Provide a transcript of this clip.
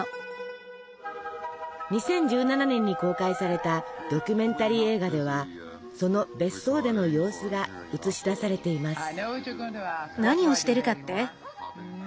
２０１７年に公開されたドキュメンタリー映画ではその別荘での様子が映し出されています。